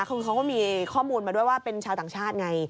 คือเขาก็มีข้อมูลมาด้วยว่าเป็นชาวต่างชาติไง